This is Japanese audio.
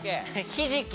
ひじき。